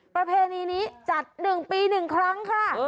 ประเพณีนี้จัดหนึ่งปีหนึ่งครั้งค่ะ